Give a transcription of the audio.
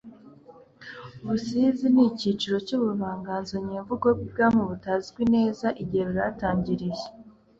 busizi ni icyiciro cy'Ubuvanganzo nyemvugo bw'ibwami butazwi neza igihe bwatangiriye,